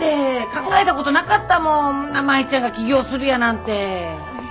考えたことなかったもん舞ちゃんが起業するやなんて。